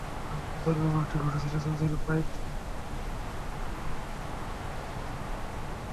আর পূজার ব্যপারটি ঘটেছিল তাদের বায়তুল মুকাদ্দাসে আগমনের পূর্বে।